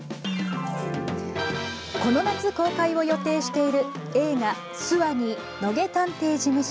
この夏公開を予定している映画「ＳＷＡＮＥＥ野毛探偵事務所」。